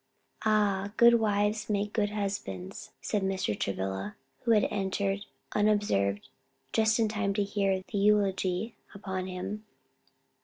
"Ah, good wives make good husbands," said Mr. Travilla, who had entered unobserved, just in time to hear the eulogy upon him.